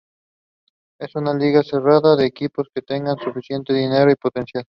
Es una liga cerrada a equipos que tengan suficiente dinero y potencial.